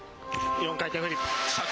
４回転フリップ。